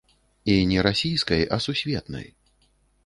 І не расійскай, а сусветнай.